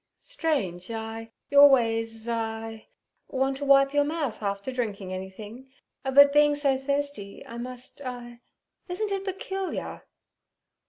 'Strange—igh—you always—igh—want to wipe your mouth after drinking anything; but being so thirsty, I must—igh—Isn't it peculiar?'